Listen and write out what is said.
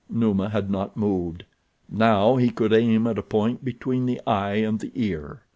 Numa had not moved. Now he could aim at a point between the eye and the ear.